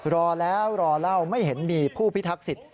รอแล้วรอเล่าไม่เห็นมีผู้พิทักษิต